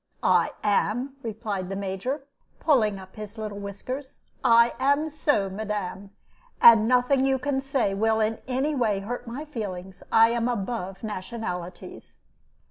"I am," replied the Major, pulling up his little whiskers; "I am so, madam, and nothing you can say will in any way hurt my feelings. I am above nationalities."